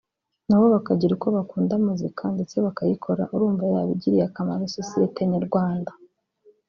nabo bakagira uko bakunda muzika ndetse bakayikora urumva yaba igiriye akamaro sosiyete nyarwanda